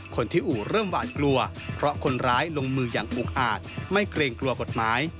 คนที่อู่เริ่มหวานกลัวเพราะคนร้ายลงมืออย่างอุกอาจไม่เกรงกลัวกฎหมาย